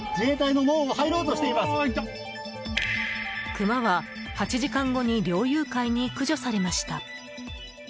クマは８時間後に猟友会に駆除されました。